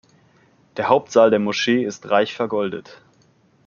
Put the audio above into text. Der Hauptsaal der Moschee ist reich vergoldet.